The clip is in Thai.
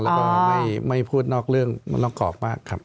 แล้วก็ไม่พูดนอกเรื่องมันนอกกรอบมากครับ